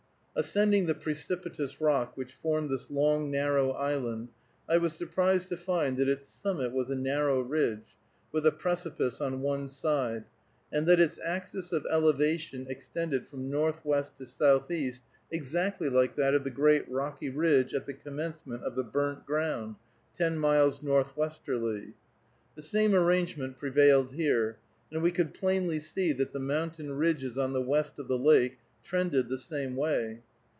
Ascending the precipitous rock which formed this long narrow island, I was surprised to find that its summit was a narrow ridge, with a precipice on one side, and that its axis of elevation extended from northwest to southeast exactly like that of the great rocky ridge at the commencement of the Burnt Ground, ten miles northwesterly. The same arrangement prevailed here, and we could plainly see that the mountain ridges on the west of the lake trended the same way.